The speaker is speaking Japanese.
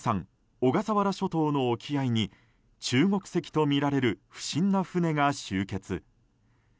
小笠原諸島の沖合に中国籍とみられる不審な船が集結。